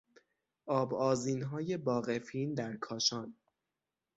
آب آذینهای باغ فین در کاشان